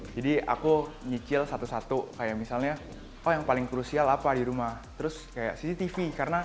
jadi aku nyicil satu satu kayak misalnya oh yang paling krusial apa di rumah terus kayak cctv karena